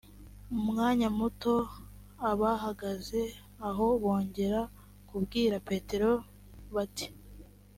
mu mwanya muto abahagaze aho bongera kubwira petero bati